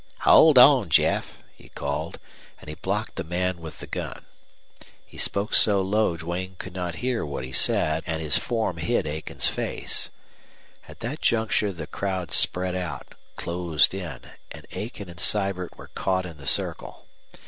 "Hold on, Jeff," he called, and he blocked the man with the gun. He spoke so low Duane could not hear what he said, and his form hid Aiken's face. At that juncture the crowd spread out, closed in, and Aiken and Sibert were caught in the circle.